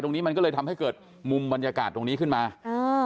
ตรงนี้มันก็เลยทำให้เกิดมุมบรรยากาศตรงนี้ขึ้นมาอ่า